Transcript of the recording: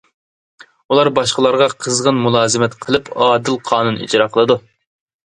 ئۇلار باشقىلارغا قىزغىن مۇلازىمەت قىلىپ، ئادىل قانۇن ئىجرا قىلىدۇ.